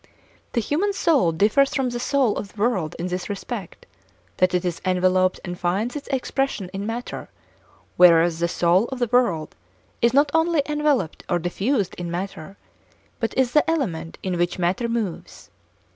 The human soul differs from the soul of the world in this respect, that it is enveloped and finds its expression in matter, whereas the soul of the world is not only enveloped or diffused in matter, but is the element in which matter moves.